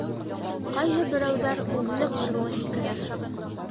Ҡайһы берәүҙәр үрле-ҡырлы һикерә.